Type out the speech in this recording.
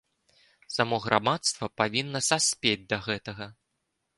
Само грамадства павінна саспець да гэтага.